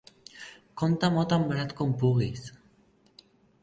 Compta-m'ho tan barat com puguis.